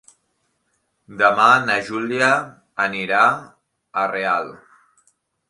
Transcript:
Demà na Júlia anirà a Real.